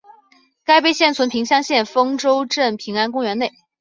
该碑现存平乡县丰州镇平安公园内。